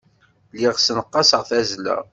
Lliɣ ssenqaseɣ tazzla.